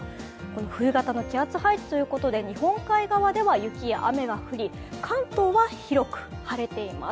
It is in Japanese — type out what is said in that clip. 冬型の気圧配置ということで、日本海側では雪や雨が降り、関東は広く晴れています。